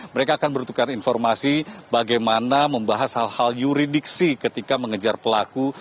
mereka akan bertukar informasi bagaimana membahas hal hal yuridiksi ketika mengejar pelaku